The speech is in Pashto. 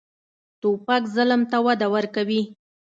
توپک ظلم ته وده ورکوي.